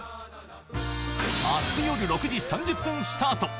明日夜６時３０分スタート、